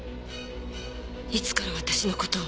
いつから私の事を？